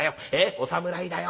お侍だよ。